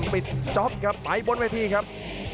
ปิดจ๊อปครับไปบนวันที่ครับ